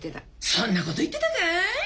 そんなこと言ってたかい？